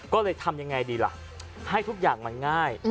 ก็เลยทำยังไงดีล่ะให้ทุกอย่างมันง่าย